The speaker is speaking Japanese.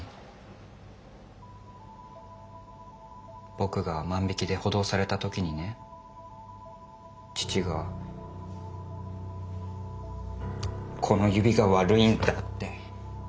僕が万引きで補導された時にね父がこの指が悪いんだって。